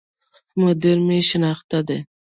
مدير مي شناخته دی